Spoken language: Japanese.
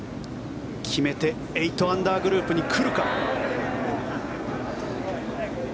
決めて８アンダーグループに来るか。